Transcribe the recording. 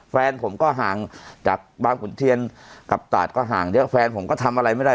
แฟนผมก็ห่างจากบางขุนเทียนกับตาดก็ห่างเยอะแฟนผมก็ทำอะไรไม่ได้